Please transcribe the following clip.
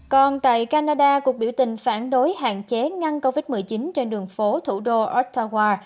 còn tại canada cuộc biểu tình phản đối hạn chế ngăn covid một mươi chín trên đường phố thủ đô ottawa